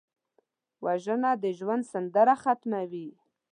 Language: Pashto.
وژنه د ژوند سندره ختموي